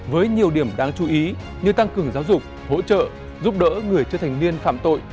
với nhiều điểm đáng chú ý như tăng cường giáo dục hỗ trợ giúp đỡ người chưa thành niên phạm tội